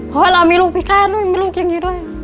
เพราะเรามีลูกพิการด้วยมีลูกอย่างนี้ด้วย